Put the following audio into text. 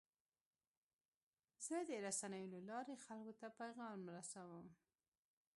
زه د رسنیو له لارې خلکو ته پیغام رسوم.